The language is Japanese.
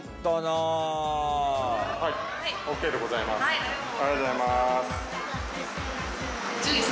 ありがとうございます。